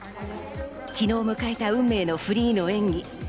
昨日迎えた運命のフリーの演技。